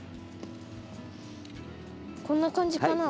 こんな感じかな？